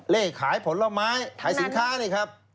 เลขขายผลไม้ขายสินค้านี่ครับ